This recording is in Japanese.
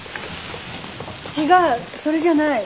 違うそれじゃない。